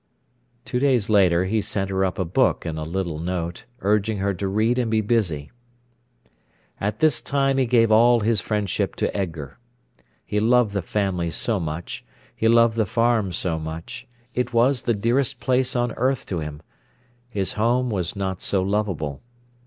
Two days later he sent her up a book and a little note, urging her to read and be busy. At this time he gave all his friendship to Edgar. He loved the family so much, he loved the farm so much; it was the dearest place on earth to him. His home was not so lovable.